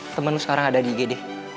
temen lo sekarang ada di gd